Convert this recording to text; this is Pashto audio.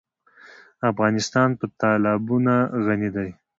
افغانستان په تالابونه غني دی.